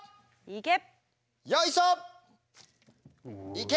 いけ！